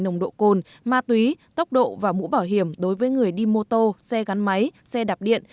nồng độ cồn ma túy tốc độ và mũ bảo hiểm đối với người đi mô tô xe gắn máy xe đạp điện